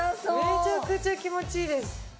めちゃくちゃ気持ちいいです。